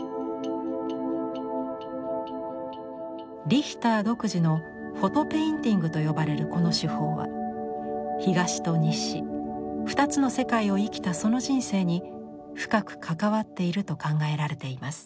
リヒター独自の「フォト・ペインティング」と呼ばれるこの手法は東と西２つの世界を生きたその人生に深く関わっていると考えられています。